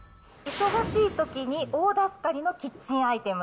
忙しいときに大助かりのキッチンアイテム。